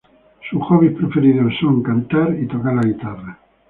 Sus hobbies preferidos son el cantar y tocar la guitarra.